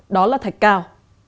đó là thạch cao